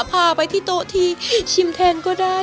พาไปที่โต๊ะที่ชิมเทนก็ได้